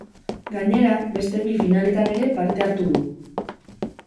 Gainera, beste bi finaletan ere parte hartu du.